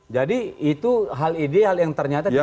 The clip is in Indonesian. jadi itu hal ideal yang ternyata